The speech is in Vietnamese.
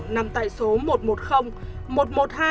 nằm tại số một trăm một mươi một trăm một mươi hai